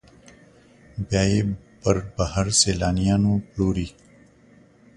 بیا یې پر بهر سیلانیانو پلوري.